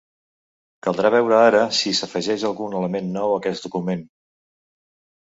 Caldrà veure ara si s’afegeix algun element nou a aquest document.